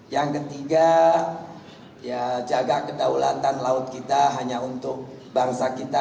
yang ketiga jaga kedaulatan laut kita hanya untuk bangsa kita